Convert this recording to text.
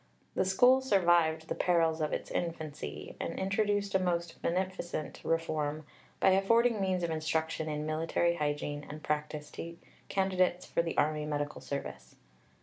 The School survived the perils of its infancy, and introduced a most beneficent reform by affording means of instruction in military hygiene and practice to candidates for the Army Medical Service.